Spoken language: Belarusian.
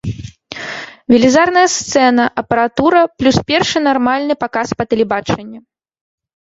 Велізарная сцэна, апаратура, плюс першы нармальны паказ па тэлебачанні.